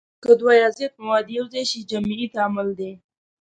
که دوه یا زیات مواد یو ځای شي جمعي تعامل دی.